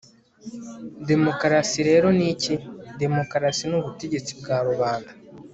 demokarasi rero ni iki? demokarasi ni ubutegetsi bwa rubanda